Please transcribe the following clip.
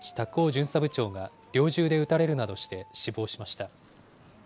巡査部長が猟銃で撃たれるなどして死亡しました。